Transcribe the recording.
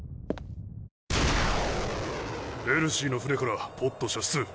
エルシーの船からポッド射出。